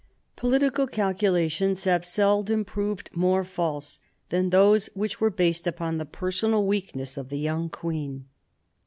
Political calculations have seldom proved more false than those which were based upon the personal weakness of the young queen.